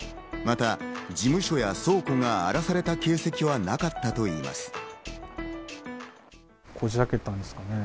また事務所や倉庫が荒らされた形跡はなかったといいます。